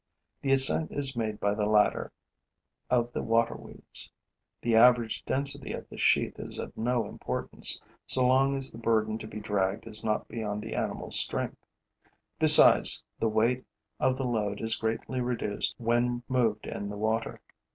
The ascent is made by the ladder of the water weeds. The average density of the sheath is of no importance, so long as the burden to be dragged is not beyond the animal's strength. Besides, the weight of the load is greatly reduced when moved in the water.